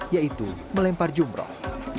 yaitu melempar jumroh